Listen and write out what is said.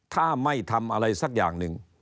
ถ้าไม่ทำอะไรสักอย่างหนึ่ง